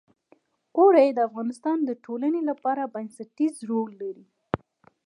اوړي د افغانستان د ټولنې لپاره بنسټيز رول لري.